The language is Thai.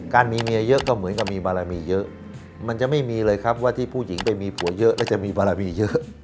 มีเมียเยอะก็เหมือนกับมีบารมีเยอะมันจะไม่มีเลยครับว่าที่ผู้หญิงไปมีผัวเยอะแล้วจะมีบารมีเยอะ